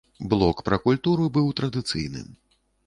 Блок пра культуру быў традыцыйным.